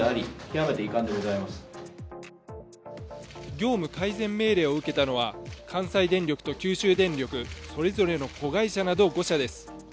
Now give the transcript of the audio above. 業務改善命令を受けたのは関西電力と九州電力それぞれの子会社など５社です。